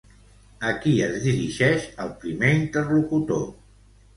A qui es dirigeix el primer interlocutor?